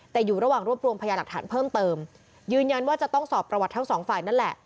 แต่อยู่ระหว่างรวบรวมพยาหลักฐานเพิ่มเติมยืนยันว่าจะต้องสอบประวัติทั้งสองฝ่ายนั่นแหละ